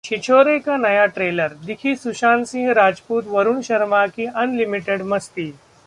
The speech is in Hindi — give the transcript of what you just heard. छिछोरे का नया ट्रेलर, दिखी सुशांत सिंह राजपूत-वरुण शर्मा की अनलिमिटेड मस्ती